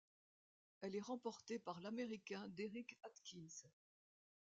Elle est remportée par l'Américain Derrick Adkins.